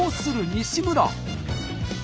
西村。